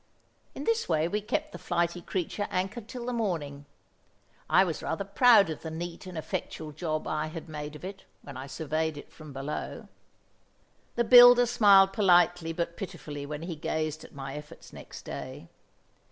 In this way we kept the flighty creature anchored till the morning. I was rather proud of the neat and effectual job I had made of it, when I surveyed it from below. The builder smiled politely but pitifully when he gazed at my efforts next day.